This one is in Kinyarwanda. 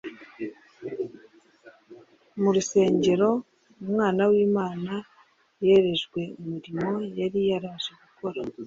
Mu rusengero, Umwana w'Imana yerejwe umurimo yari yaraje gukora